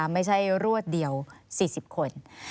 ไม่ใช่รวดเดียว๔๐คน